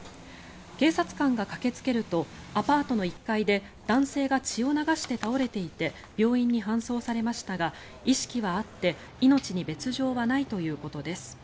警察官が駆けつけるとアパートの１階で男性が血を流して倒れていて病院に搬送されましたが意識はあって命に別条はないということです。